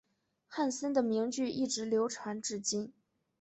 汉森的名句一直流传至今。